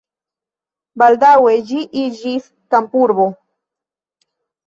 Baldaŭe ĝi iĝis kampurbo.